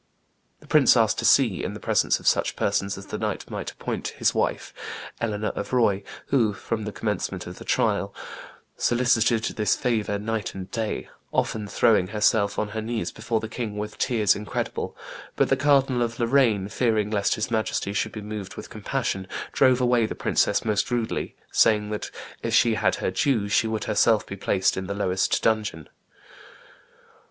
The prince asked to see, in the presence of such persons as the king might appoint, his wife, Eleanor of Roye, who, from the commencement of the trial, "solicited this favor night and day, often throwing herself on her knees before the king with tears incredible; but the Cardinal of Lorraine, fearing lest his Majesty should be moved with compassion, drove away the princess most rudely, saying that, if she had her due, she would herself be placed in the lowest dungeon."